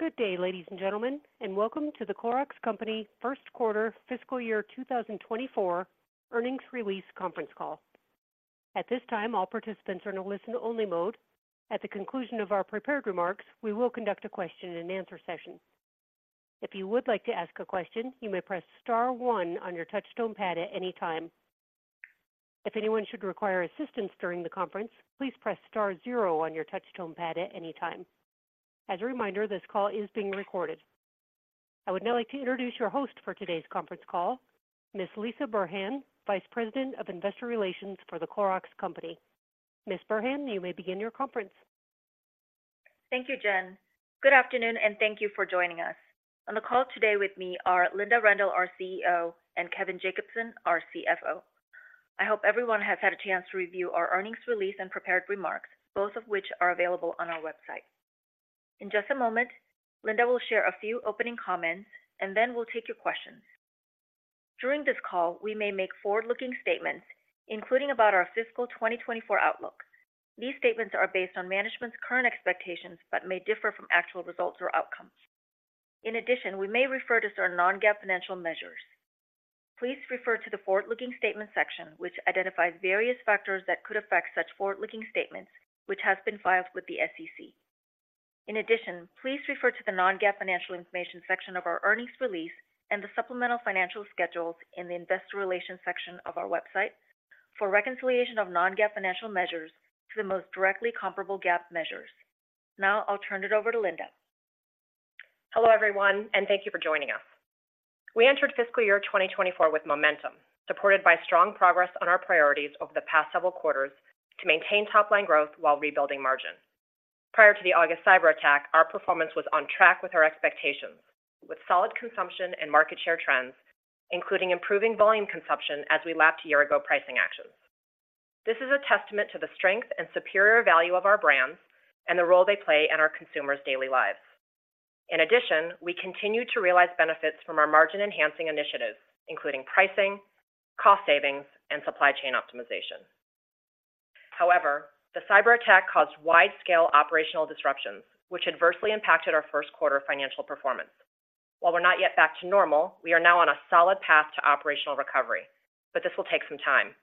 Good day, ladies and gentlemen, and welcome to The Clorox Company first quarter Fiscal Year 2024 earnings release conference call. At this time, all participants are in a listen-only mode. At the conclusion of our prepared remarks, we will conduct a question-and-answer session. If you would like to ask a question, you may press star one on your touch-tone pad at any time. If anyone should require assistance during the conference, please press star zero on your touch-tone pad at any time. As a reminder, this call is being recorded. I would now like to introduce your host for today's conference call, Ms. Lisah Burhan, Vice President of Investor Relations for The Clorox Company. Ms. Burhan, you may begin your conference. Thank you, Jen. Good afternoon, and thank you for joining us. On the call today with me are Linda Rendle, our CEO, and Kevin Jacobsen, our CFO. I hope everyone has had a chance to review our earnings release and prepared remarks, both of which are available on our website. In just a moment, Linda will share a few opening comments, and then we'll take your questions. During this call, we may make forward-looking statements, including about our fiscal 2024 outlook. These statements are based on management's current expectations, but may differ from actual results or outcomes. In addition, we may refer to certain non-GAAP financial measures. Please refer to the Forward-Looking Statement section, which identifies various factors that could affect such forward-looking statements, which has been filed with the SEC. In addition, please refer to the Non-GAAP Financial Information section of our earnings release and the supplemental financial schedules in the Investor Relations section of our website for reconciliation of non-GAAP financial measures to the most directly comparable GAAP measures. Now, I'll turn it over to Linda. Hello, everyone, and thank you for joining us. We entered fiscal year 2024 with momentum, supported by strong progress on our priorities over the past several quarters to maintain top-line growth while rebuilding margin. Prior to the August cyberattack, our performance was on track with our expectations, with solid consumption and market share trends, including improving volume consumption as we lapped year-ago pricing actions. This is a testament to the strength and superior value of our brands and the role they play in our consumers' daily lives. In addition, we continue to realize benefits from our margin-enhancing initiatives, including pricing, cost savings, and supply chain optimization. However, the cyberattack caused wide-scale operational disruptions, which adversely impacted our first quarter financial performance. While we're not yet back to normal, we are now on a solid path to operational recovery, but this will take some time.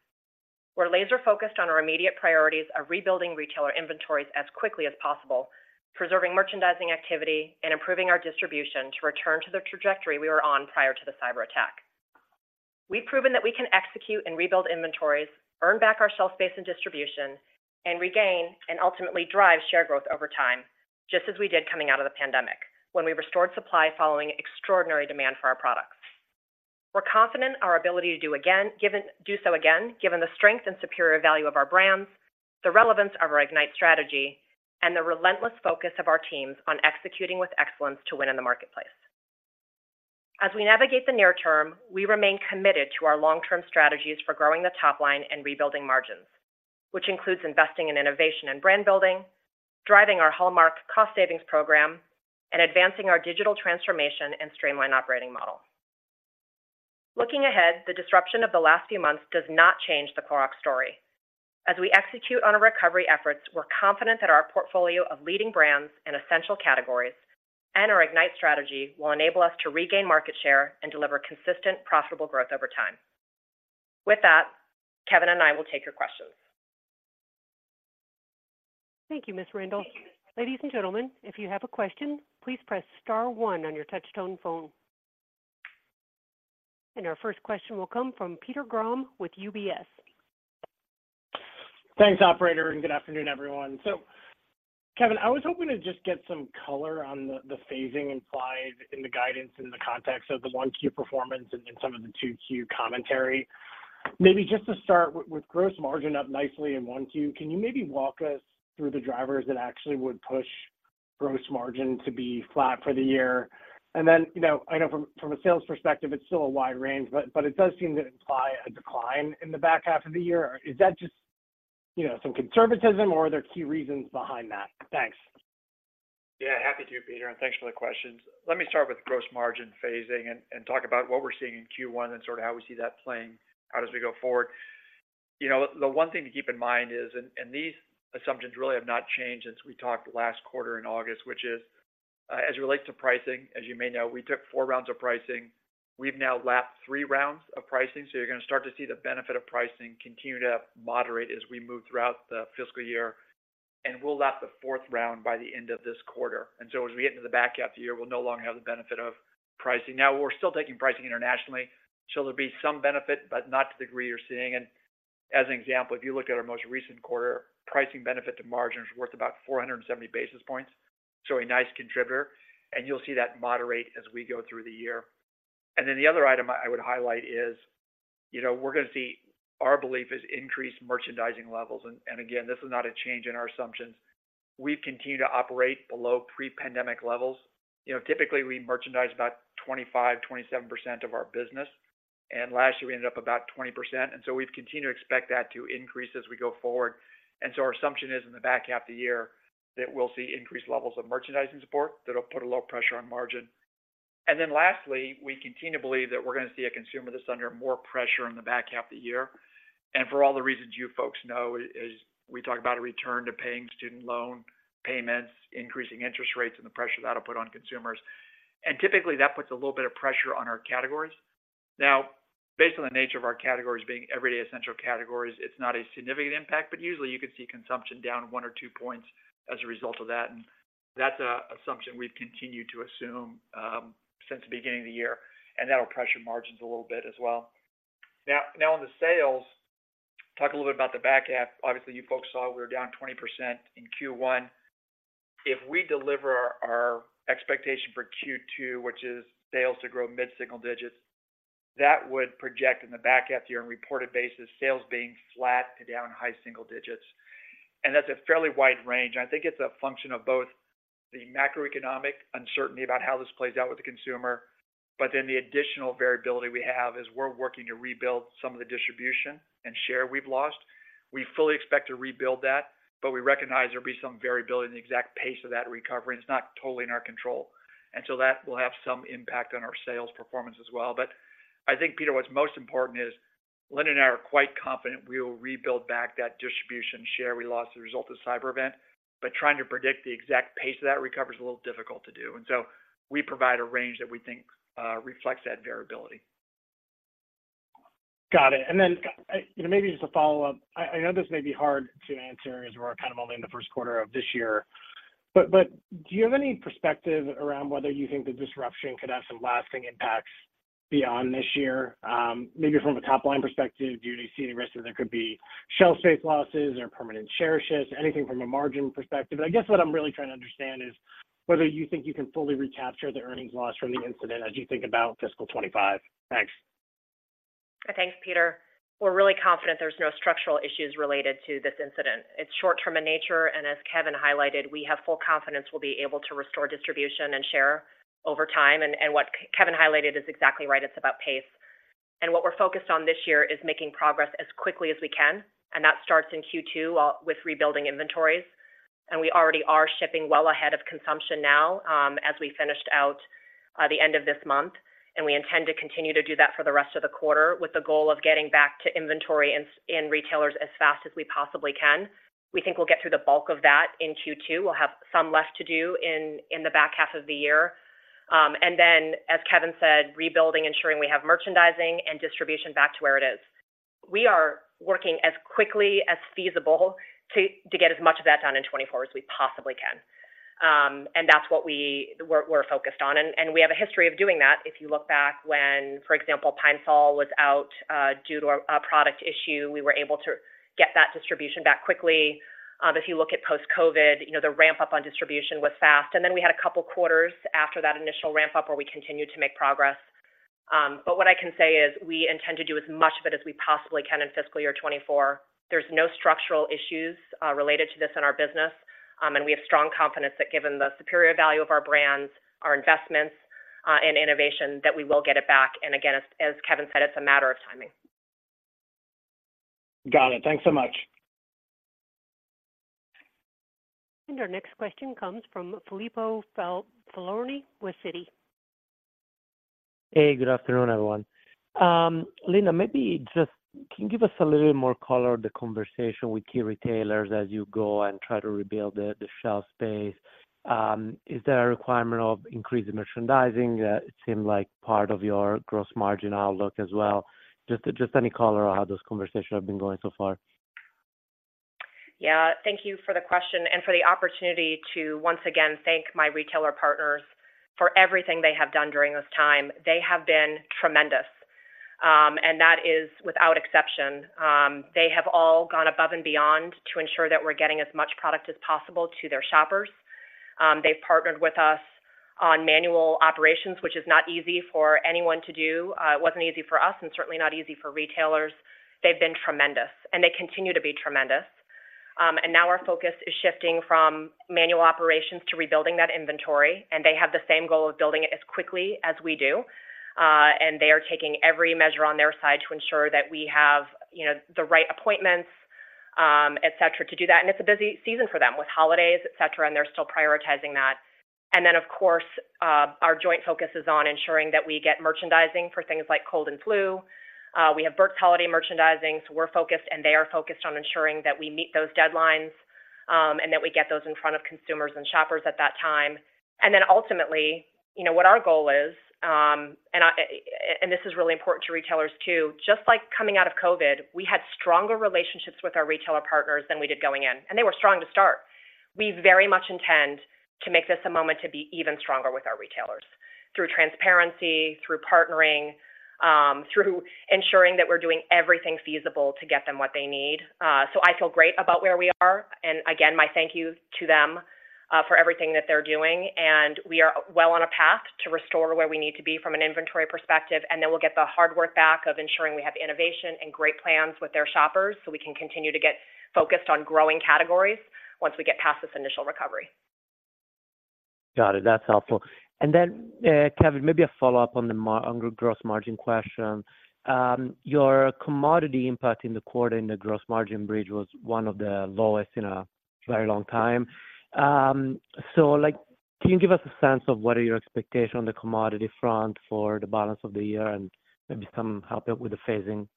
We're laser-focused on our immediate priorities of rebuilding retailer inventories as quickly as possible, preserving merchandising activity, and improving our distribution to return to the trajectory we were on prior to the cyberattack. We've proven that we can execute and rebuild inventories, earn back our shelf space and distribution, and regain and ultimately drive share growth over time, just as we did coming out of the pandemic when we restored supply following extraordinary demand for our products. We're confident in our ability to do so again, given the strength and superior value of our brands, the relevance of our IGNITE strategy, and the relentless focus of our teams on executing with excellence to win in the marketplace. As we navigate the near term, we remain committed to our long-term strategies for growing the top line and rebuilding margins, which includes investing in innovation and brand building, driving our hallmark cost savings program, and advancing our digital transformation and streamline operating model. Looking ahead, the disruption of the last few months does not change the Clorox story. As we execute on our recovery efforts, we're confident that our portfolio of leading brands and essential categories and our IGNITE strategy will enable us to regain market share and deliver consistent, profitable growth over time. With that, Kevin and I will take your questions. Thank you, Ms. Rendle. Ladies and gentlemen, if you have a question, please press star one on your touchtone phone. Our first question will come from Peter Grom with UBS. Thanks, operator, and good afternoon, everyone. Kevin, I was hoping to just get some color on the phasing implied in the guidance in the context of the 1Q performance and some of the 2Q commentary. Maybe just to start with gross margin up nicely in 1Q, can you maybe walk us through the drivers that actually would push gross margin to be flat for the year? Then, I know from a sales perspective, it's still a wide range, but it does seem to imply a decline in the back half of the year. Is that just, you know, some conservatism or are there key reasons behind that? Thanks. Yeah, happy to, Peter, and thanks for the questions. Let me start with gross margin phasing and talk about what we're seeing in Q1 and sort of how we see that playing out as we go forward. The one thing to keep in mind is these assumptions really have not changed since we talked last quarter in August, which is as it relates to pricing. As you may know, we took four rounds of pricing. We've now lapped three rounds of pricing, so you're gonna start to see the benefit of pricing continue to moderate as we move throughout the fiscal year, and we'll lap the fourth round by the end of this quarter. As we get into the back half of the year, we'll no longer have the benefit of pricing. Now, we're still taking pricing internationally, so there'll be some benefit, but not to the degree you're seeing. As an example, if you look at our most recent quarter, pricing benefit to margin is worth about 470 basis points, so a nice contributor, and you'll see that moderate as we go through the year. Then the other item I would highlight is, you know, we're gonna see, our belief is increased merchandising levels, and, and again, this is not a change in our assumptions. We've continued to operate below pre-pandemic levels. Typically, we merchandise about 25%-27% of our business, and last year we ended up about 20%, and so we've continued to expect that to increase as we go forward. Our assumption is, in the back half of the year, that we'll see increased levels of merchandising support that'll put a little pressure on margin. Lastly, we continue to believe that we're gonna see a consumer that's under more pressure in the back half of the year. For all the reasons you folks know, is we talk about a return to paying student loan payments, increasing interest rates, and the pressure that'll put on consumers. Typically, that puts a little bit of pressure on our categories. Now, based on the nature of our categories being everyday essential categories, it's not a significant impact, but usually you could see consumption down 1 or 2 points as a result of that, and that's an assumption we've continued to assume since the beginning of the year, and that'll pressure margins a little bit as well. Now on the sales, talk a little bit about the back half. Obviously, you folks saw we were down 20% in Q1. If we deliver our expectation for Q2, which is sales to grow mid-single digits, that would project in the back half of the year on a reported basis, sales being flat to down high single digits. That's a fairly wide range, and I think it's a function of both the macroeconomic uncertainty about how this plays out with the consumer, but then the additional variability we have as we're working to rebuild some of the distribution and share we've lost. We fully expect to rebuild that, but we recognize there'll be some variability in the exact pace of that recovery, and it's not totally in our control. That will have some impact on our sales performance as well. Peter, what's most important is, Linda and I are quite confident we will rebuild back that distribution share we lost as a result of the cyber event, but trying to predict the exact pace of that recovery is a little difficult to do. We provide a range that we think, reflects that variability. Got it. And then, you know, maybe just a follow-up. I know this may be hard to answer as we're kind of only in the first quarter of this year, but do you have any perspective around whether you think the disruption could have some lasting impacts beyond this year? Maybe from a top-line perspective, do you see any risk that there could be shelf space losses or permanent share shifts, anything from a margin perspective? I guess what I'm really trying to understand is whether you think you can fully recapture the earnings loss from the incident as you think about fiscal 2025. Thanks. Thanks, Peter. We're really confident there's no structural issues related to this incident. It's short term in nature, and as Kevin highlighted, we have full confidence we'll be able to restore distribution and share over time. What Kevin highlighted is exactly right, it's about pace. What we're focused on this year is making progress as quickly as we can, and that starts in Q2 with rebuilding inventories. We already are shipping well ahead of consumption now as we finished out the end of this month, and we intend to continue to do that for the rest of the quarter, with the goal of getting back to inventory in retailers as fast as we possibly can. We think we'll get through the bulk of that in Q2. We'll have some left to do in the back half of the year. As Kevin said, rebuilding, ensuring we have merchandising and distribution back to where it is. We are working as quickly as feasible to get as much of that done in 2024 as we possibly can. That's what we're focused on, and we have a history of doing that. If you look back when, for example, Pine-Sol was out, due to a product issue, we were able to get that distribution back quickly. If you look at post-COVID, you know, the ramp-up on distribution was fast, and then we had a couple quarters after that initial ramp-up where we continued to make progress. What I can say is we intend to do as much of it as we possibly can in Fiscal Year 2024. There's no structural issues related to this in our business, and we have strong confidence that given the superior value of our brands, our investments, and innovation, that we will get it back, and again, as Kevin said, it's a matter of timing. Got it. Thanks so much. Our next question comes from Filippo Falorni with Citi. Hey, good afternoon, everyone. Linda, maybe just can you give us a little more color on the conversation with key retailers as you go and try to rebuild the shelf space? Is there a requirement of increasing merchandising? It seemed like part of your gross margin outlook as well. Just any color on how those conversations have been going so far. Yeah, thank you for the question and for the opportunity to once again thank my retailer partners for everything they have done during this time. They have been tremendous, and that is without exception. They have all gone above and beyond to ensure that we're getting as much product as possible to their shoppers. They've partnered with us on manual operations, which is not easy for anyone to do. It wasn't easy for us and certainly not easy for retailers. They've been tremendous, and they continue to be tremendous. Now our focus is shifting from manual operations to rebuilding that inventory, and they have the same goal of building it as quickly as we do, and they are taking every measure on their side to ensure that we have, you know, the right appointments, et cetera, to do that. It's a busy season for them, with holidays, et cetera, and they're still prioritizing that. Then, of course, our joint focus is on ensuring that we get merchandising for things like cold and flu. We have Burt's Bees holiday merchandising, so we're focused, and they are focused on ensuring that we meet those deadlines, and that we get those in front of consumers and shoppers at that time. Then ultimately, you know, what our goal is, and this is really important to retailers too, just like coming out of COVID, we had stronger relationships with our retailer partners than we did going in, and they were strong to start. We very much intend to make this a moment to be even stronger with our retailers through transparency, through partnering, through ensuring that we're doing everything feasible to get them what they need. I feel great about where we are, and again, my thank you to them, for everything that they're doing, and we are well on a path to restore where we need to be from an inventory perspective, and then we'll get the hard work back of ensuring we have innovation and great plans with their shoppers, so we can continue to get focused on growing categories once we get past this initial recovery. Got it. That's helpful. Then, Kevin, maybe a follow-up on the gross margin question. Your commodity impact in the quarter in the gross margin bridge was one of the lowest in a very long time. Can you give us a sense of what are your expectations on the commodity front for the balance of the year, and maybe some help with the phasing?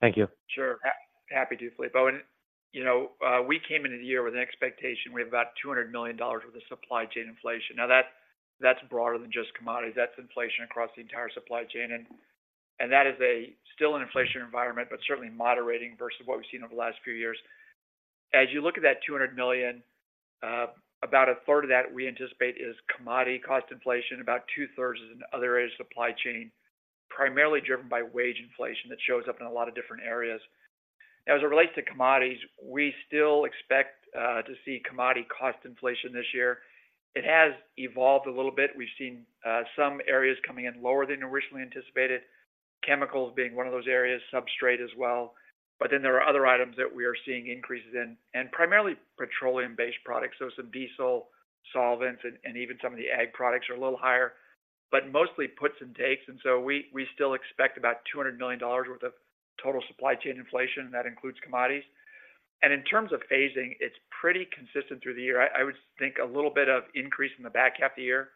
Thank you. Sure. Happy to, Filippo. We came into the year with an expectation, we have about $200 million worth of supply chain inflation. Now, that, that's broader than just commodities. That's inflation across the entire supply chain, and that is still an inflation environment, but certainly moderating versus what we've seen over the last few years. As you look at that $200 million, about a third of that we anticipate is commodity cost inflation, about two-thirds is in other areas of supply chain, primarily driven by wage inflation. That shows up in a lot of different areas. As it relates to commodities, we still expect to see commodity cost inflation this year. It has evolved a little bit. We've seen some areas coming in lower than originally anticipated, chemicals being one of those areas, substrate as well. Then there are other items that we are seeing increases in, and primarily petroleum-based products, so some diesel solvents and even some of the ag products are a little higher, but mostly puts and takes. We still expect about $200 million worth of total supply chain inflation, and that includes commodities. In terms of phasing, it's pretty consistent through the year. I would think a little bit of increase in the back half of the year,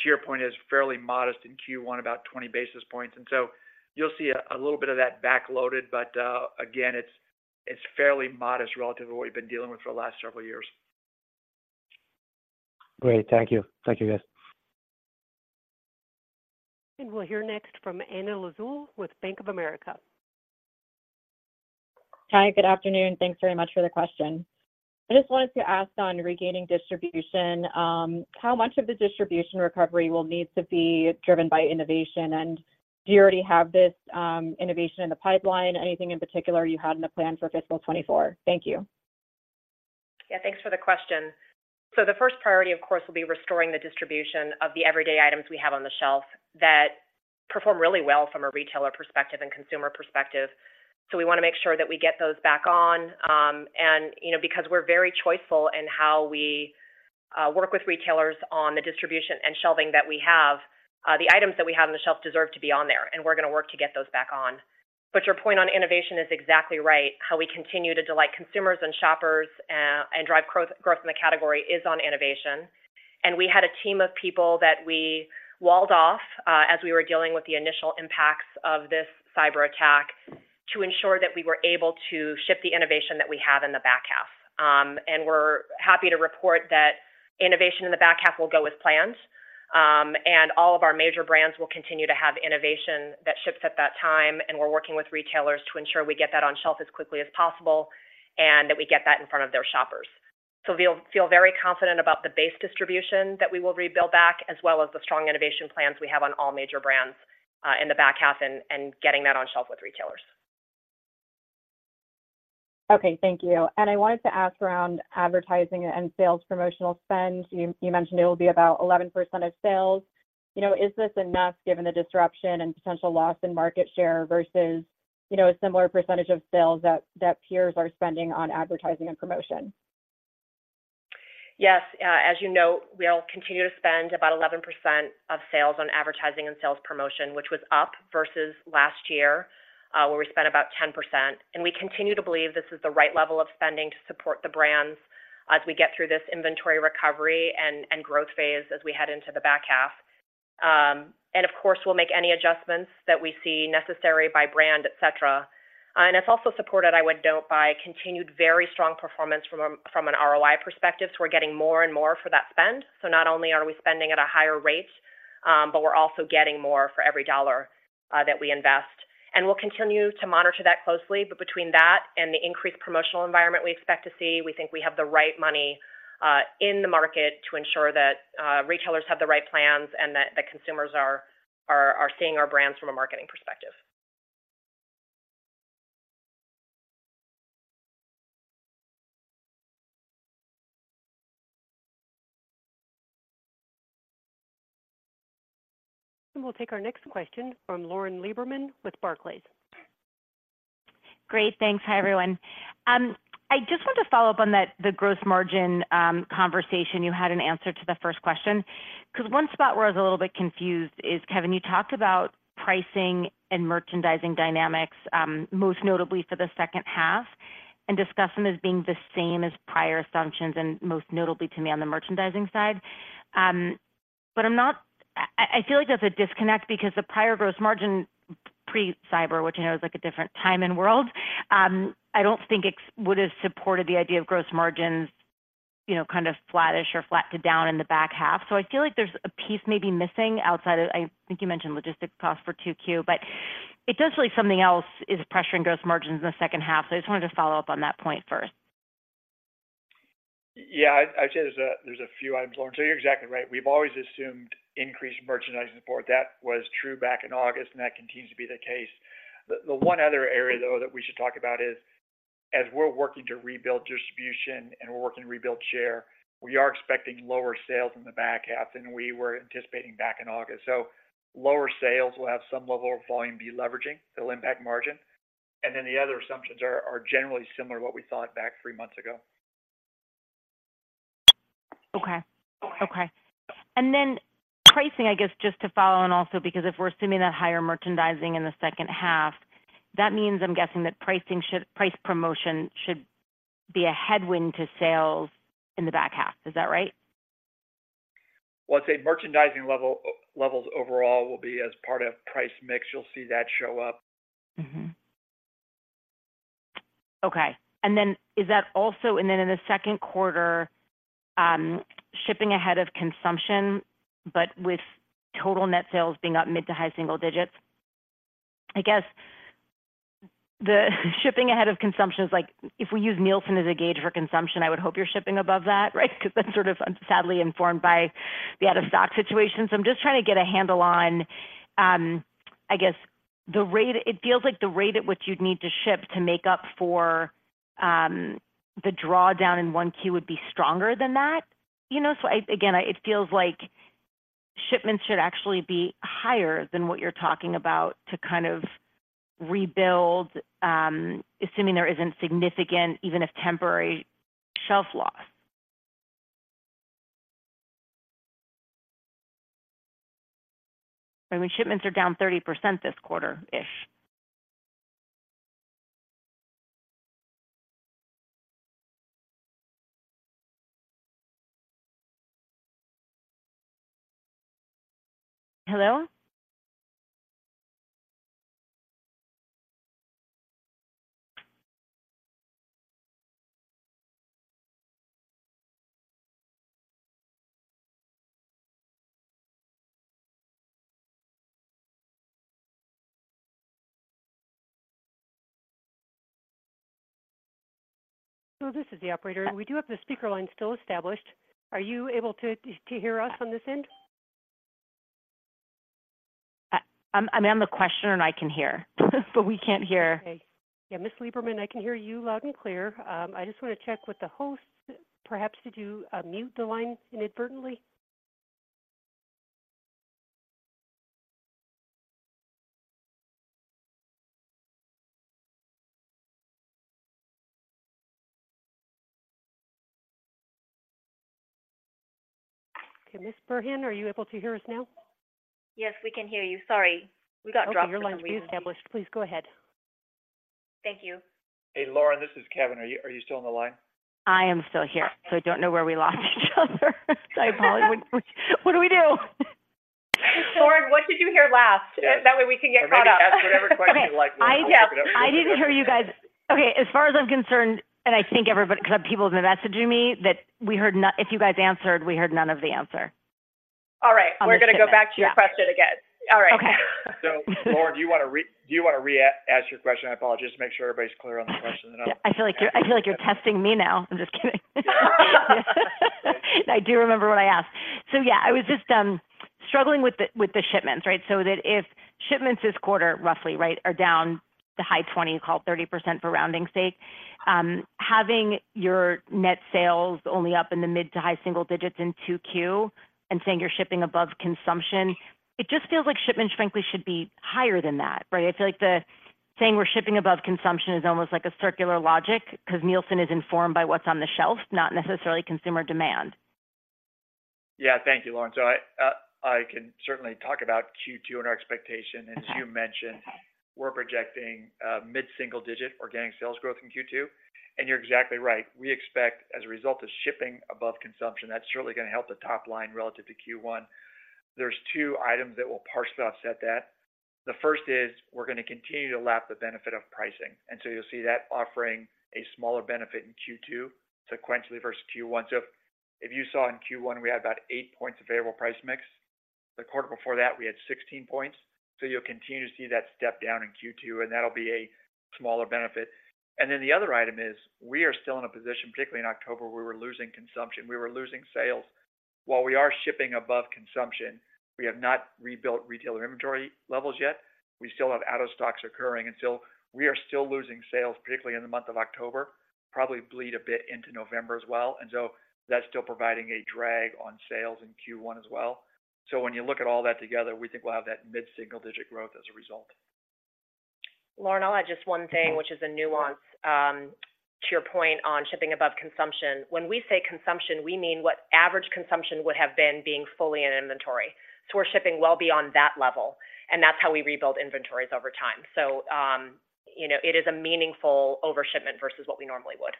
to your point, is fairly modest in Q1, about 20 basis points, and so you'll see a little bit of that backloaded, but again, it's fairly modest relative to what we've been dealing with for the last several years. Great. Thank you. Thank you, guys. We'll hear next from Anna Lizzul with Bank of America. Hi, good afternoon. Thanks very much for the question. I just wanted to ask on regaining distribution, how much of the distribution recovery will need to be driven by innovation? Do you already have this, innovation in the pipeline? Anything in particular you had in the plan for fiscal 2024? Thank you. Yeah, thanks for the question. The first priority, of course, will be restoring the distribution of the everyday items we have on the shelf that perform really well from a retailer perspective and consumer perspective. We want to make sure that we get those back on, and, you know, because we're very choiceful in how we work with retailers on the distribution and shelving that we have, the items that we have on the shelf deserve to be on there, and we're gonna work to get those back on. Your point on innovation is exactly right. How we continue to delight consumers and shoppers, and drive growth, growth in the category is on innovation. We had a team of people that we walled off, as we were dealing with the initial impacts of this cyberattack to ensure that we were able to ship the innovation that we have in the back half. We're happy to report that innovation in the back half will go as planned, and all of our major brands will continue to have innovation that ships at that time, and we're working with retailers to ensure we get that on shelf as quickly as possible, and that we get that in front of their shoppers. We feel, feel very confident about the base distribution that we will rebuild back, as well as the strong innovation plans we have on all major brands, in the back half and, and getting that on shelf with retailers. Okay, thank you. I wanted to ask around advertising and sales promotional spend. You, you mentioned it will be about 11% of sales. You know, is this enough given the disruption and potential loss in market share versus, you know, a similar percentage of sales that, that peers are spending on advertising and promotion? Yes. As you know, we'll continue to spend about 11% of sales on advertising and sales promotion, which was up versus last year, where we spent about 10%. We continue to believe this is the right level of spending to support the brands as we get through this inventory recovery and growth phase as we head into the back half. Of course, we'll make any adjustments that we see necessary by brand, et cetera. It's also supported, I would note, by continued very strong performance from an ROI perspective, so we're getting more and more for that spend. Not only are we spending at a higher rate, but we're also getting more for every dollar that we invest. We'll continue to monitor that closely, but between that and the increased promotional environment we expect to see, we think we have the right money in the market to ensure that retailers have the right plans and that the consumers are seeing our brands from a marketing perspective. We'll take our next question from Lauren Lieberman with Barclays. Great. Thanks. Hi, everyone. I just want to follow up on that, the gross margin, conversation you had in answer to the first question, because one spot where I was a little bit confused is, Kevin, you talked about pricing and merchandising dynamics, most notably for the second half, and discuss them as being the same as prior assumptions, most notably to me, on the merchandising side. I'm not, I, I feel like there's a disconnect because the prior gross margin, pre-cyber, which I know is like a different time in world, I don't think ex would have supported the idea of gross margins, you know, kind of flattish or flat to down in the back half. I feel like there's a piece maybe missing outside of... I think you mentioned logistics costs for 2Q, but it does feel like something else is pressuring gross margins in the second half. I just wanted to follow up on that point first. Yeah, I'd say there's a few items, Lauren. You're exactly right. We've always assumed increased merchandising support. That was true back in August, and that continues to be the case. The one other area, though, that we should talk about is, as we're working to rebuild distribution and we're working to rebuild share, we are expecting lower sales in the back half than we were anticipating back in August. Lower sales will have some level of volume deleveraging that will impact margin, and then the other assumptions are generally similar to what we thought back three months ago. Okay. And then pricing, I guess, just to follow and also because if we're assuming that higher merchandising in the second half, that means I'm guessing that pricing should, price promotion should be a headwind to sales in the back half. Is that right? Well, I'd say merchandising level, levels overall will be as part of price mix. You'll see that show up. Okay. Is that also, In the second quarter, shipping ahead of consumption, but with total net sales being up mid to high single digits? I guess, the shipping ahead of consumption is like, if we use Nielsen as a gauge for consumption, I would hope you're shipping above that, right? Because that's sort of sadly informed by the out-of-stock situation. I'm just trying to get a handle on, I guess, the rate. It feels like the rate at which you'd need to ship to make up for the drawdown in Q1 would be stronger than that. It feels like shipments should actually be higher than what you're talking about to kind of rebuild, assuming there isn't significant, even if temporary, shelf loss. I mean, shipments are down 30% this quarter-ish. Hello? This is the operator. We do have the speaker line still established. Are you able to hear us on this end? I'm the questioner, and I can hear, but we can't hear. Okay. Yeah, Ms. Lieberman, I can hear you loud and clear. I just want to check with the host, perhaps, did you mute the line inadvertently? Okay, Ms. Burhan, are you able to hear us now? Yes, we can hear you. Sorry. We got dropped- Okay, your line is reestablished. Please go ahead. Thank you. Hey, Lauren, this is Kevin. Are you, are you still on the line? I am still here, so I don't know where we lost each other. I apologize. What, what do we do? Lauren, what did you hear last? Yes. That way, we can get caught up. Or maybe ask whatever question you like- I did. I didn't hear you guys. Okay, as far as I'm concerned, and I think everybody, because people have been messaging me, that we heard, if you guys answered, we heard none of the answer. All right. Um, yeah. We're gonna go back to your question again. All right. Okay. So, Lauren, do you wanna re-ask your question? I apologize, just make sure everybody's clear on the question and- I feel like you're, I feel like you're testing me now. I'm just kidding. I do remember what I asked. Yeah, I was just struggling with the shipments, right? If shipments this quarter, roughly, right, are down to high 20, call it 30% for rounding sake, having your net sales only up in the mid- to high single digits in 2Q and saying you're shipping above consumption, it just feels like shipments, frankly, should be higher than that, right? I feel like the saying we're shipping above consumption is almost like a circular logic because Nielsen is informed by what's on the shelf, not necessarily consumer demand. Yeah, thank you, Lauren. I can certainly talk about Q2 and our expectation. Okay. As you mentioned, we're projecting mid-single digit organic sales growth in Q2. You're exactly right. We expect, as a result of shipping above consumption, that's certainly going to help the top line relative to Q1. There are two items that will partially offset that. The first is, we're going to continue to lap the benefit of pricing, and you'll see that offering a smaller benefit in Q2 sequentially versus Q1. If you saw in Q1, we had about 8 points of favorable price mix. The quarter before that, we had 16 points. You'll continue to see that step down in Q2, and that'll be a smaller benefit. The other item is, we are still in a position, particularly in October, where we're losing consumption, we were losing sales. While we are shipping above consumption, we have not rebuilt retailer inventory levels yet. We still have out-of-stocks occurring, and so we are still losing sales, particularly in the month of October, probably bleed a bit into November as well, and so that's still providing a drag on sales in Q1 as well. So when you look at all that together, we think we'll have that mid-single-digit growth as a result. Lauren, I'll add just one thing, which is a nuance, to your point on shipping above consumption. When we say consumption, we mean what average consumption would have been being fully in inventory. We're shipping well beyond that level, and that's how we rebuild inventories over time. It is a meaningful over-shipment versus what we normally would.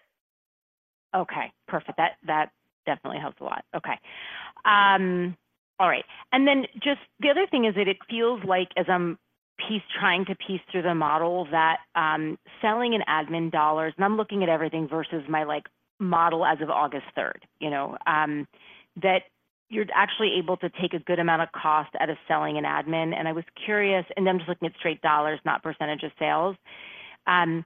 Okay, perfect. That definitely helps a lot. Okay, all right. And then just the other thing is that it feels like as I'm trying to piece through the model, that selling and admin dollars, and I'm looking at everything versus my, like, model as of August third, you know, that you're actually able to take a good amount of cost out of selling and admin, and I was curious, and I'm just looking at straight dollars, not percentage of sales. I'm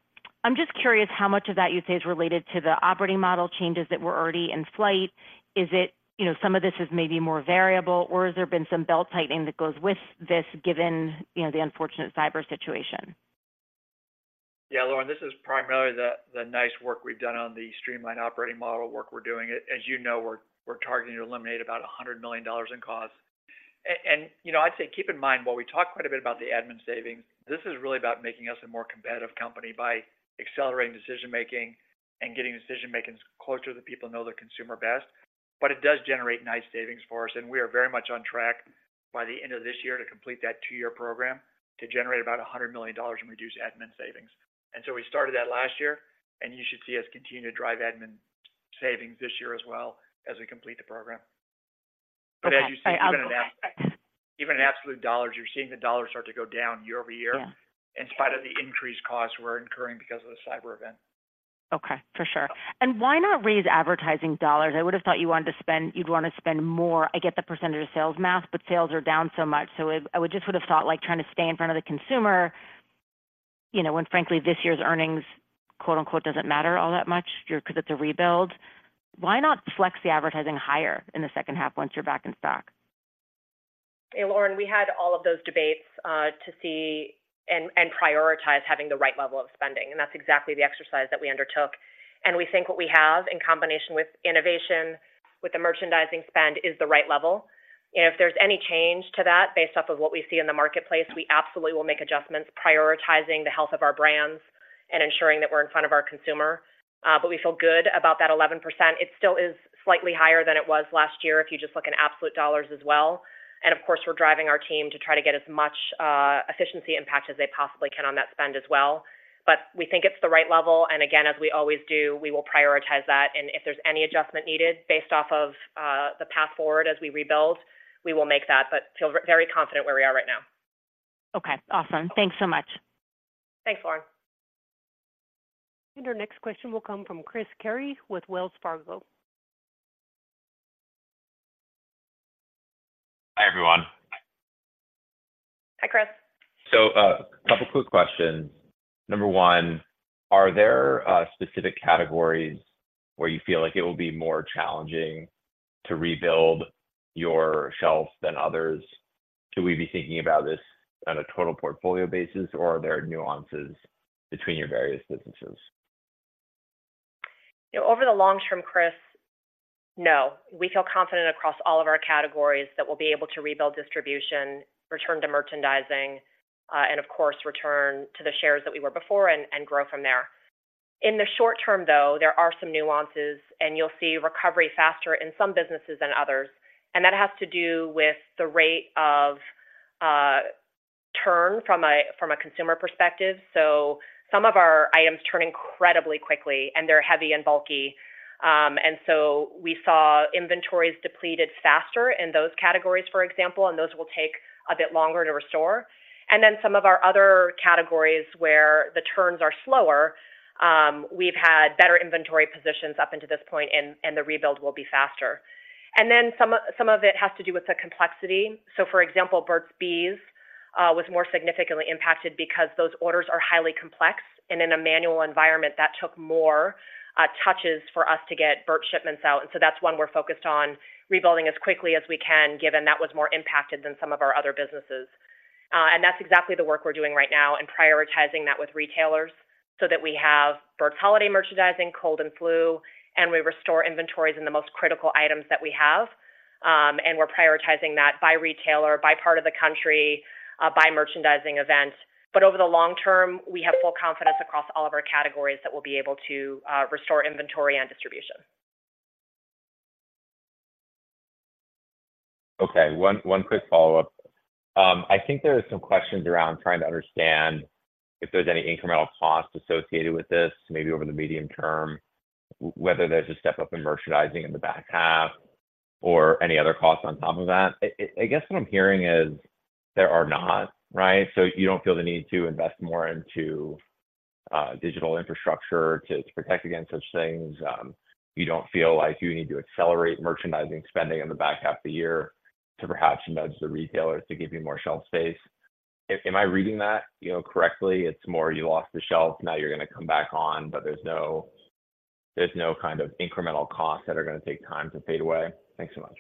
just curious how much of that you say is related to the operating model changes that were already in flight. Is it, you know, some of this is maybe more variable, or has there been some belt-tightening that goes with this, given, you know, the unfortunate cyber situation? Yeah, Lauren, this is primarily the nice work we've done on the streamlined operating model work we're doing. As you know, we're targeting to eliminate about $100 million in costs. I'd say keep in mind, while we talk quite a bit about the admin savings, this is really about making us a more competitive company by accelerating decision-making and getting decision-making closer to the people who know the consumer best. But it does generate nice savings for us, and we are very much on track by the end of this year to complete that two-year program to generate about $100 million in reduced admin savings. We started that last year, and you should see us continue to drive admin savings this year as well as we complete the program. As you see, even in absolute dollars, you're seeing the dollars start to go down year-over-year- Yeah. in spite of the increased costs we're incurring because of the cyber event. Okay, for sure. Why not raise advertising dollars? I would have thought you wanted to spend you'd wanna spend more. I get the percentage of sales math, but sales are down so much, so it. I would just would have thought, like, trying to stay in front of the consumer, you know, when frankly, this year's earnings, quote, unquote, "Doesn't matter all that much," you're-- 'cause it's a rebuild, why not flex the advertising higher in the second half once you're back in stock? Hey, Lauren, we had all of those debates to see and prioritize having the right level of spending, and that's exactly the exercise that we undertook. We think what we have, in combination with innovation, with the merchandising spend, is the right level. And if there's any change to that, based off of what we see in the marketplace, we absolutely will make adjustments, prioritizing the health of our brands and ensuring that we're in front of our consumer. We feel good about that 11%. It still is slightly higher than it was last year, if you just look in absolute dollars as well. Of course, we're driving our team to try to get as much efficiency impact as they possibly can on that spend as well. We think it's the right level, and again, as we always do, we will prioritize that, and if there's any adjustment needed based off of the path forward as we rebuild, we will make that, but feel very confident where we are right now. Okay, awesome. Thanks so much. Thanks, Lauren. Our next question will come from Chris Carey with Wells Fargo. Hi, everyone. Hi, Chris. A couple quick questions. Number one, are there specific categories where you feel like it will be more challenging to rebuild your shelves than others? Should we be thinking about this on a total portfolio basis, or are there nuances between your various businesses? Over the long term, Chris, no. We feel confident across all of our categories that we'll be able to rebuild distribution, return to merchandising, and of course, return to the shares that we were before and, and grow from there. In the short term, though, there are some nuances, and you'll see recovery faster in some businesses than others. And that has to do with the rate of turn from a consumer perspective. Some of our items turn incredibly quickly, and they're heavy and bulky, and we saw inventories depleted faster in those categories, for example, and those will take a bit longer to restore. Then some of our other categories, where the turns are slower, we've had better inventory positions up into this point, and, and the rebuild will be faster. Some of, some of it has to do with the complexity. For example, Burt's Bees was more significantly impacted because those orders are highly complex, and in a manual environment, that took more touches for us to get Burt shipments out. And so that's one we're focused on rebuilding as quickly as we can, given that was more impacted than some of our other businesses. That's exactly the work we're doing right now and prioritizing that with retailers so that we have Burt's holiday merchandising, cold and flu, and we restore inventories in the most critical items that we have, and we're prioritizing that by retailer, by part of the country, by merchandising event. Over the long term, we have full confidence across all of our categories that we'll be able to restore inventory and distribution. Okay, one quick follow-up. I think there are some questions around trying to understand if there's any incremental cost associated with this, maybe over the medium term, whether there's a step up in merchandising in the back half or any other costs on top of that. I guess what I'm hearing is there are not, right? You don't feel the need to invest more into digital infrastructure to protect against such things. You don't feel like you need to accelerate merchandising spending in the back half of the year to perhaps nudge the retailers to give you more shelf space. Am I reading that, you know, correctly? It's more you lost the shelf, now you're gonna come back on, but there's no kind of incremental costs that are gonna take time to fade away. Thanks so much.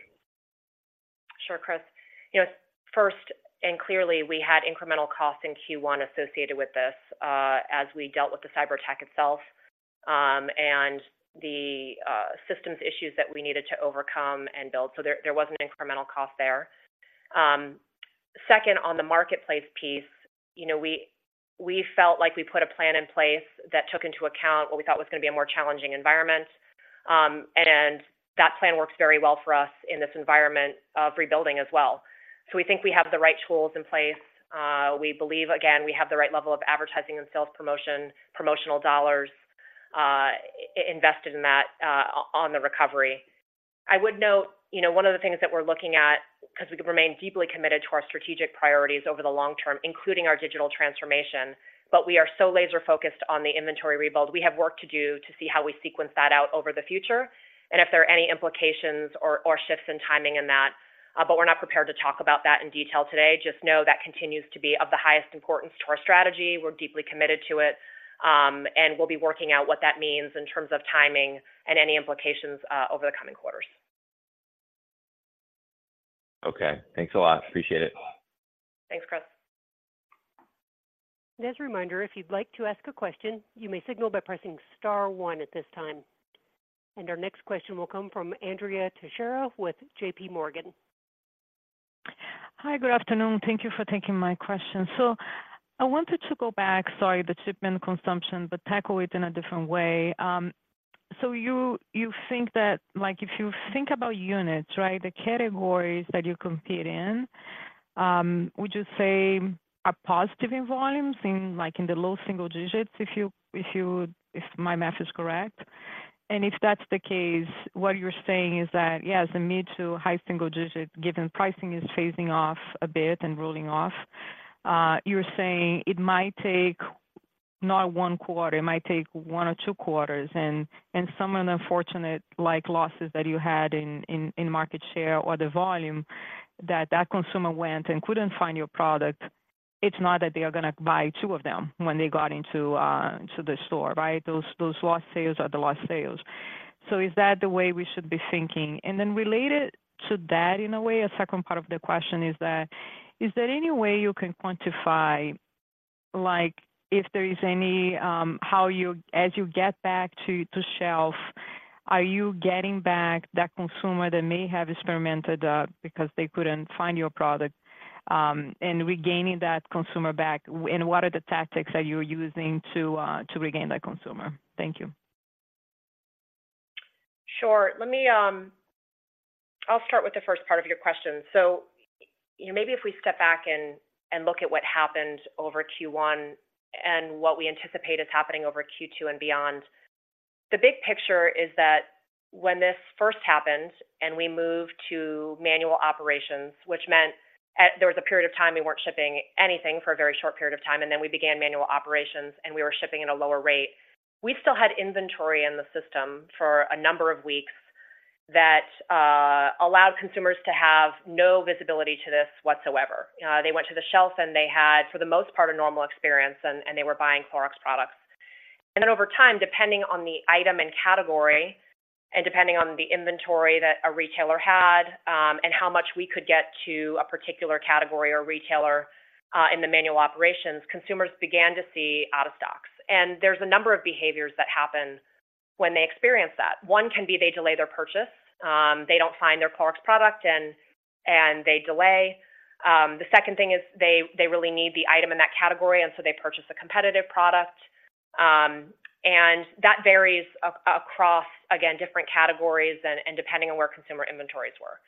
Sure, Chris. You know, first, and clearly, we had incremental costs in Q1 associated with this, as we dealt with the cyberattack itself, and the systems issues that we needed to overcome and build. There, was an incremental cost there. Second, on the marketplace piece, you know, we felt like we put a plan in place that took into account what we thought was gonna be a more challenging environment, and that plan works very well for us in this environment of rebuilding as well. We think we have the right tools in place. We believe, again, we have the right level of advertising and sales promotion, promotional dollars, invested in that, on the recovery. I would note, you know, one of the things that we're looking at, 'cause we remain deeply committed to our strategic priorities over the long term, including our digital transformation, but we are so laser focused on the inventory rebuild. We have work to do to see how we sequence that out over the future and if there are any implications or shifts in timing in that, but we're not prepared to talk about that in detail today. Just know that continues to be of the highest importance to our strategy. We're deeply committed to it, and we'll be working out what that means in terms of timing and any implications over the coming quarters. Okay, thanks a lot. Appreciate it. Thanks, Chris. As a reminder, if you'd like to ask a question, you may signal by pressing star one at this time. And our next question will come from Andrea Teixeira with J.P. Morgan. Hi, good afternoon. Thank you for taking my question. I wanted to go back, sorry, the shipment consumption, but tackle it in a different way. You think that, like, if you think about units, right, the categories that you compete in, would you say are positive in volumes in, like, in the low single digits, if my math is correct? And if that's the case, what you're saying is that, yes, the mid to high single digits, given pricing is phasing off a bit and rolling off, you're saying it might take not one quarter, it might take one or two quarters, and some of the unfortunate like losses that you had in market share or the volume that consumer went and couldn't find your product, it's not that they are gonna buy two of them when they got into to the store, right? Those lost sales are the lost sales. Is that the way we should be thinking? Then related to that, in a way, a second part of the question is that, is there any way you can quantify, like, if there is any... How, as you get back to shelf, are you getting back that consumer that may have experimented because they couldn't find your product, and regaining that consumer back, and what are the tactics that you're using to regain that consumer? Thank you. Sure. Let me, I'll start with the first part of your question. Maybe if we step back and, and look at what happened over Q1 and what we anticipate is happening over Q2 and beyond. The big picture is that when this first happened and we moved to manual operations, which meant, there was a period of time we weren't shipping anything for a very short period of time, and then we began manual operations, and we were shipping at a lower rate. We still had inventory in the system for a number of weeks that, allowed consumers to have no visibility to this whatsoever. They went to the shelf, and they had, for the most part, a normal experience, and, and they were buying Clorox products. Over time, depending on the item and category and depending on the inventory that a retailer had, and how much we could get to a particular category or retailer, in the manual operations, consumers began to see out of stocks. There's a number of behaviors that happen when they experience that. One can be they delay their purchase, they don't find their Clorox product and they delay. The second thing is they really need the item in that category, and so they purchase a competitive product, and that varies across, again, different categories and depending on where consumer inventories were.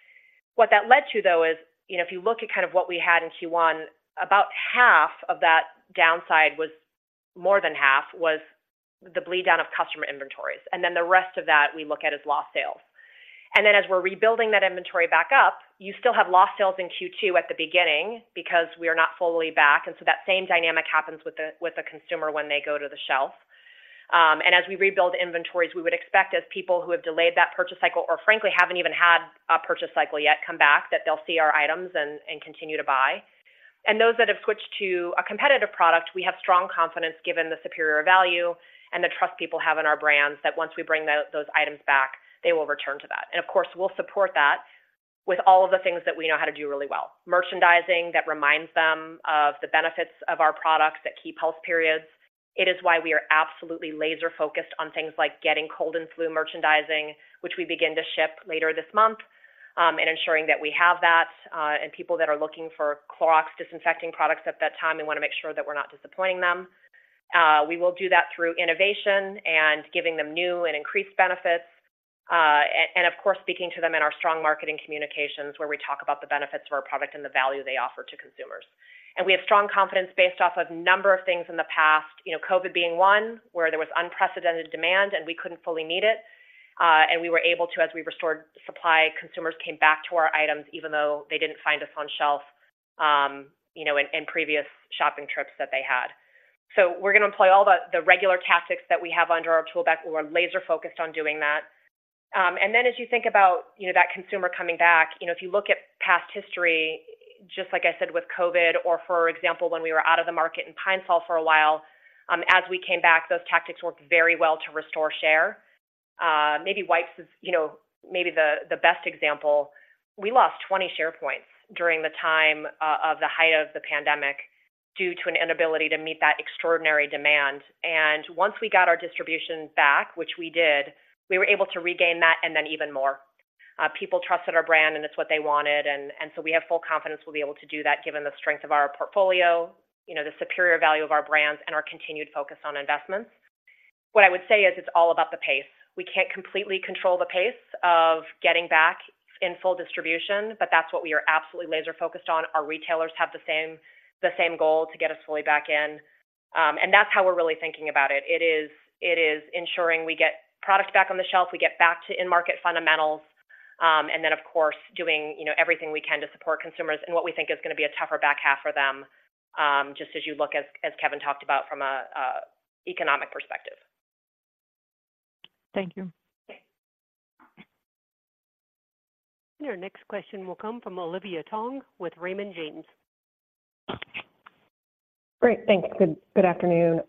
What that led to, though, is, you know, if you look at kind of what we had in Q1, about half of that downside was, more than half, the bleed down of customer inventories, and then the rest of that we look at as lost sales. Then as we're rebuilding that inventory back up, you still have lost sales in Q2 at the beginning because we are not fully back, and so that same dynamic happens with the, with the consumer when they go to the shelf. As we rebuild inventories, we would expect as people who have delayed that purchase cycle or frankly, haven't even had a purchase cycle yet, come back, that they'll see our items and, and continue to buy. Those that have switched to a competitive product, we have strong confidence, given the superior value and the trust people have in our brands, that once we bring those items back, they will return to that. Of course, we'll support that with all of the things that we know how to do really well. Merchandising that reminds them of the benefits of our products at key pulse periods. It is why we are absolutely laser-focused on things like getting cold and flu merchandising, which we begin to ship later this month, and ensuring that we have that, and people that are looking for Clorox disinfecting products at that time, we wanna make sure that we're not disappointing them. We will do that through innovation and giving them new and increased benefits, and, and of course, speaking to them in our strong marketing communications, where we talk about the benefits of our product and the value they offer to consumers. We have strong confidence based off of a number of things in the past, you know, COVID being one, where there was unprecedented demand, and we couldn't fully meet it, and we were able to, as we restored supply, consumers came back to our items even though they didn't find us on shelf, you know, in, in previous shopping trips that they had. We're gonna employ all the, the regular tactics that we have under our tool belt. We're laser-focused on doing that. As you think about, you know, that consumer coming back, you know, if you look at past history, just like I said with COVID, or for example, when we were out of the market in Pine-Sol for a while, as we came back, those tactics worked very well to restore share. Maybe wipes is, you know, maybe the best example. We lost 20 share points during the time of the height of the pandemic due to an inability to meet that extraordinary demand. Once we got our distribution back, which we did, we were able to regain that and then even more. People trusted our brand, and it's what they wanted, and, and so we have full confidence we'll be able to do that, given the strength of our portfolio, you know, the superior value of our brands, and our continued focus on investments. What I would say is it's all about the pace. We can't completely control the pace of getting back in full distribution, but that's what we are absolutely laser-focused on. Our retailers have the same, the same goal, to get us fully back in. That's how we're really thinking about it. It is ensuring we get product back on the shelf, we get back to in-market fundamentals, and then, of course, doing, you know, everything we can to support consumers and what we think is gonna be a tougher back half for them, just as you look, as Kevin talked about, from an economic perspective. Thank you. Okay. Your next question will come from Olivia Tong with Raymond James. Great, thanks. Good afternoon.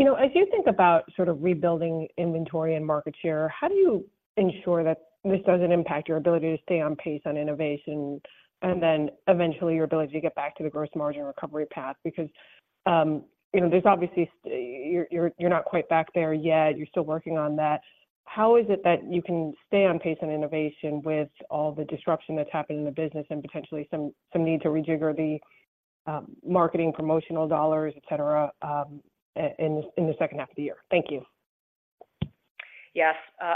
You know, as you think about sort of rebuilding inventory and market share, how do you ensure that this doesn't impact your ability to stay on pace on innovation, and then eventually your ability to get back to the gross margin recovery path? Because, you know, there's obviously you're not quite back there yet. You're still working on that. How is it that you can stay on pace and innovation with all the disruption that's happened in the business and potentially some need to rejigger the marketing, promotional dollars, et cetera, in the second half of the year? Thank you. Yes,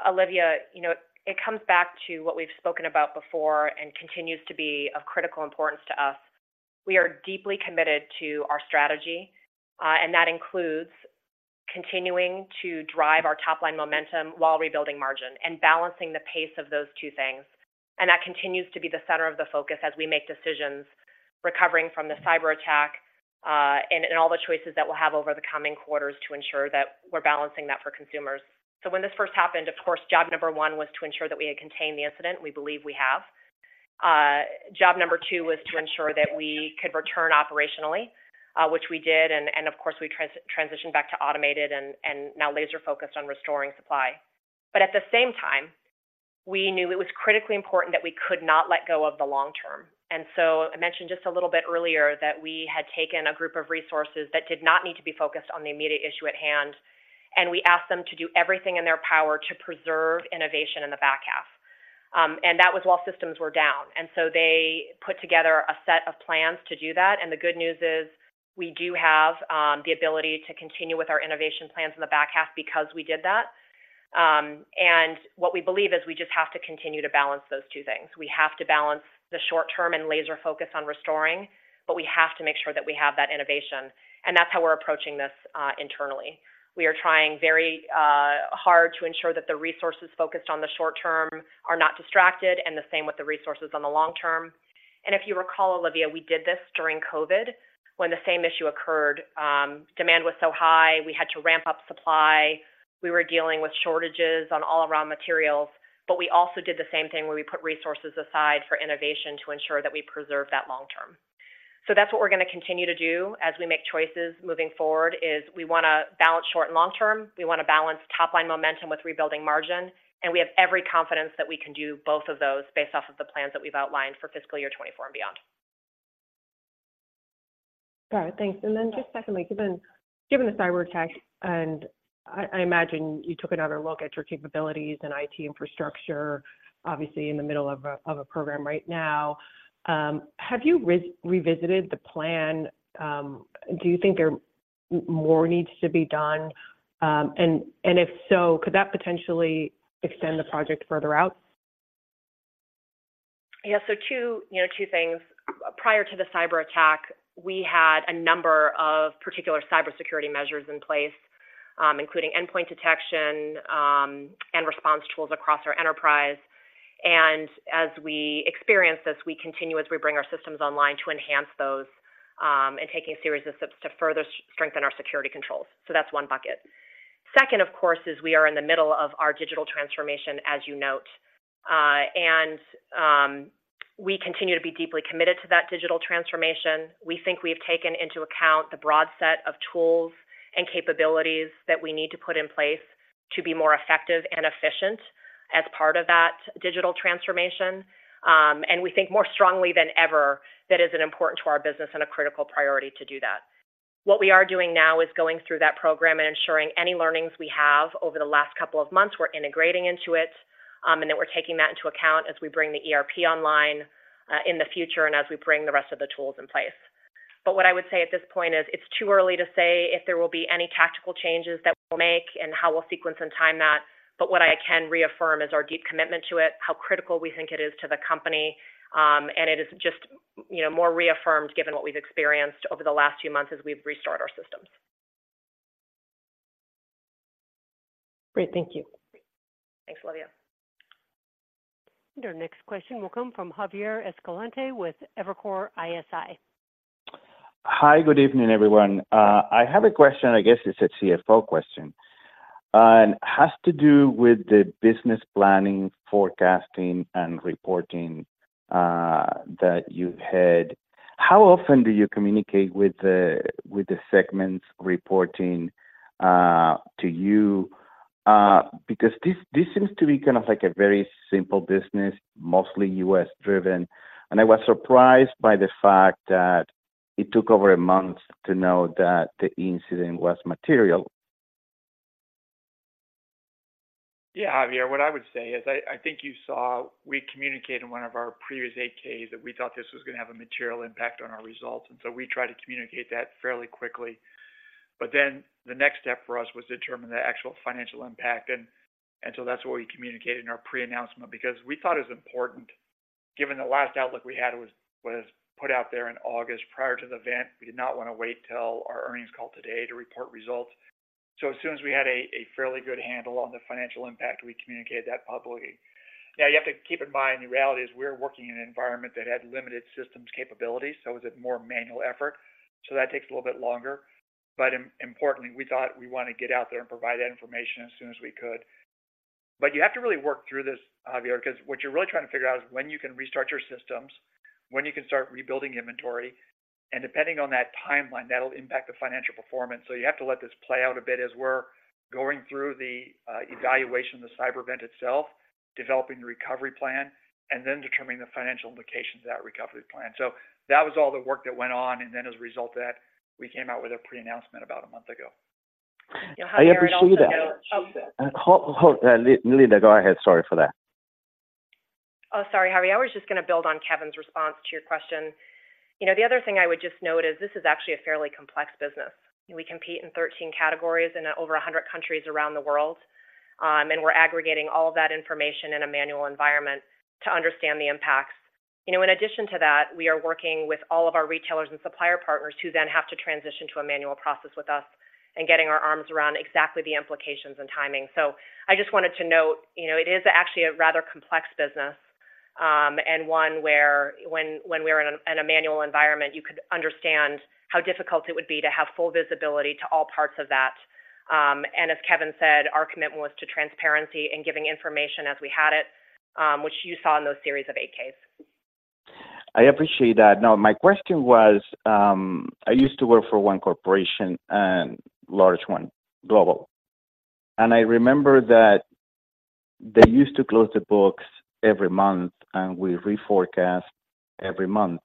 Olivia, you know, it comes back to what we've spoken about before and continues to be of critical importance to us. We are deeply committed to our strategy, and that includes continuing to drive our top-line momentum while rebuilding margin and balancing the pace of those two things. That continues to be the center of the focus as we make decisions, recovering from the cyberattack, and all the choices that we'll have over the coming quarters to ensure that we're balancing that for consumers. When this first happened, of course, job number one was to ensure that we had contained the incident. We believe we have. Job number two was to ensure that we could return operationally, which we did, and, of course, we transitioned back to automated and now laser-focused on restoring supply. At the same time, we knew it was critically important that we could not let go of the long term. I mentioned just a little bit earlier that we had taken a group of resources that did not need to be focused on the immediate issue at hand, and we asked them to do everything in their power to preserve innovation in the back half. That was while systems were down, and so they put together a set of plans to do that. The good news is, we do have the ability to continue with our innovation plans in the back half because we did that. What we believe is we just have to continue to balance those two things. We have to balance the short term and laser focus on restoring, but we have to make sure that we have that innovation, and that's how we're approaching this internally. We are trying very hard to ensure that the resources focused on the short term are not distracted, and the same with the resources on the long term. If you recall, Olivia, we did this during COVID when the same issue occurred. Demand was so high, we had to ramp up supply. We were dealing with shortages on all raw materials, but we also did the same thing where we put resources aside for innovation to ensure that we preserve that long term. That's what we're gonna continue to do as we make choices moving forward, is we wanna balance short and long term. We wanna balance top-line momentum with rebuilding margin, and we have every confidence that we can do both of those based off of the plans that we've outlined for fiscal year 2024 and beyond. Got it. Thanks. Just secondly, given, given the cyberattack, and I, I imagine you took another look at your capabilities and IT infrastructure, obviously in the middle of a, of a program right now, have you revisited the plan? Do you think there more needs to be done, and, if so, could that potentially extend the project further out? Yeah, so two, you know, two things. Prior to the cyberattack, we had a number of particular cybersecurity measures in place, including endpoint detection and response tools across our enterprise. As we experience this, we continue as we bring our systems online to enhance those, and taking a series of steps to further strengthen our security controls. That's one bucket. Second, of course, is we are in the middle of our digital transformation, as you note. We continue to be deeply committed to that digital transformation. We think we've taken into account the broad set of tools and capabilities that we need to put in place to be more effective and efficient as part of that digital transformation. We think more strongly than ever that it is important to our business and a critical priority to do that. What we are doing now is going through that program and ensuring any learnings we have over the last couple of months, we're integrating into it, and that we're taking that into account as we bring the ERP online, in the future and as we bring the rest of the tools in place. What I would say at this point is, it's too early to say if there will be any tactical changes that we'll make and how we'll sequence and time that, but what I can reaffirm is our deep commitment to it, how critical we think it is to the company, and it is just, you know, more reaffirmed, given what we've experienced over the last few months as we've restored our systems. Great. Thank you. Thanks, Olivia. Your next question will come from Javier Escalante with Evercore ISI. Hi, good evening, everyone. I have a question, I guess it's a CFO question, and has to do with the business planning, forecasting, and reporting that you had. How often do you communicate with the, with the segments reporting to you? Because this seems to be kind of like a very simple business, mostly U.S.-driven, and I was surprised by the fact that it took over a month to know that the incident was material. Yeah, Javier, what I would say is, I think you saw we communicated in one of our previous 8-Ks that we thought this was gonna have a material impact on our results, and so we tried to communicate that fairly quickly. The next step for us was to determine the actual financial impact, and so that's what we communicated in our pre-announcement, because we thought it was important, given the last outlook we had was put out there in August prior to the event. We did not wanna wait till our earnings call today to report results. As soon as we had a fairly good handle on the financial impact, we communicated that publicly. Now, you have to keep in mind, the reality is we're working in an environment that had limited systems capabilities, so it was a more manual effort, so that takes a little bit longer. Importantly, we thought we wanna get out there and provide that information as soon as we could. You have to really work through this, Javier, because what you're really trying to figure out is when you can restart your systems, when you can start rebuilding inventory, and depending on that timeline, that'll impact the financial performance. You have to let this play out a bit as we're going through the evaluation of the cyber event itself, developing the recovery plan, and then determining the financial implications of that recovery plan. That was all the work that went on, and then as a result of that, we came out with a pre-announcement about a month ago. I appreciate that. Yeah, Javier, I'd also- Hold, hold, Linda, go ahead. Sorry for that. Oh, sorry, Javier. I was just gonna build on Kevin's response to your question. You know, the other thing I would just note is this is actually a fairly complex business. We compete in 13 categories in over 100 countries around the world, and we're aggregating all of that information in a manual environment to understand the impacts. You know, in addition to that, we are working with all of our retailers and supplier partners who then have to transition to a manual process with us and getting our arms around exactly the implications and timing. I just wanted to note, you know, it is actually a rather complex business, and one where when we're in a manual environment, you could understand how difficult it would be to have full visibility to all parts of that. As Kevin said, our commitment was to transparency and giving information as we had it, which you saw in those series of 8-Ks. I appreciate that. Now, my question was, I used to work for one corporation and large one, global. I remember that they used to close the books every month, and we reforecast every month.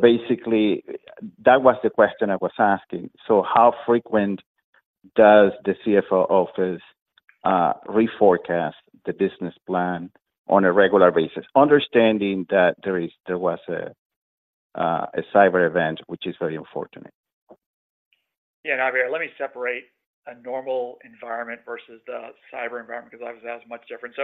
Basically, that was the question I was asking. How frequent does the CFO office reforecast the business plan on a regular basis, understanding that there was a cyber event, which is very unfortunate? Yeah, Javier, let me separate a normal environment versus the cyber environment, because obviously, that's much different.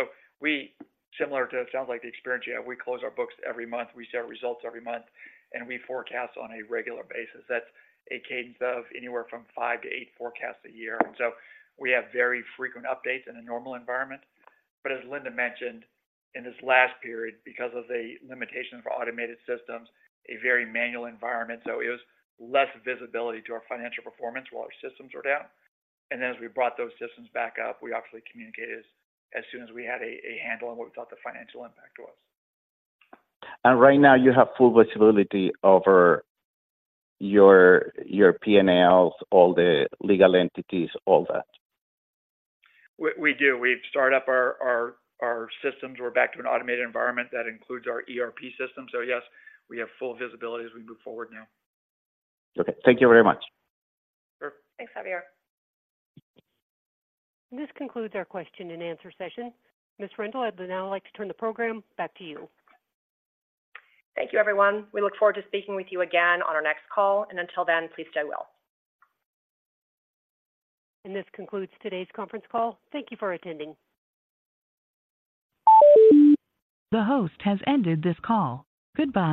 We, similar to, it sounds like the experience you have, we close our books every month, we share results every month, and we forecast on a regular basis. That's a cadence of anywhere from 5-8 forecasts a year. We have very frequent updates in a normal environment, but as Linda mentioned, in this last period, because of the limitations of our automated systems, a very manual environment, so it was less visibility to our financial performance while our systems were down, and as we brought those systems back up, we obviously communicated as soon as we had a, a handle on what we thought the financial impact was. Right now, you have full visibility over your P&Ls, all the legal entities, all that? We do. We've started up our systems. We're back to an automated environment that includes our ERP system. Yes, we have full visibility as we move forward now. Okay. Thank you very much. Sure. Thanks, Javier. This concludes our question and answer session. Ms. Rendle, I'd now like to turn the program back to you. Thank you, everyone. We look forward to speaking with you again on our next call, and until then, please stay well. This concludes today's conference call. Thank you for attending. The host has ended this call. Goodbye.